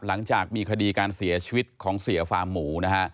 หลังจากมีคดีการเสียชีวิตของเสียฟาร์มหมูนะฮะ